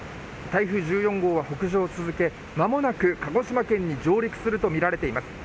台風１４号は北上を続け間もなく鹿児島県に上陸するとみられています。